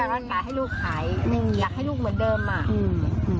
อยากให้ลูกไหาย